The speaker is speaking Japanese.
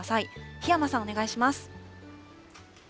檜山さん、お願いします。